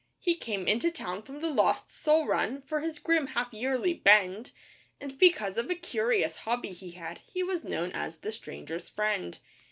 He came into town from the Lost Soul Run for his grim half yearly 'bend,' And because of a curious hobby he had, he was known as 'The Stranger's Friend.